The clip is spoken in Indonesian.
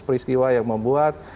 peristiwa yang membuat